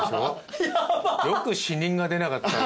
よく死人が出なかった。